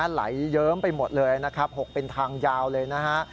ไหลเยิ้มไปหมดเลย๖บันทางยาวเลยนะฮะ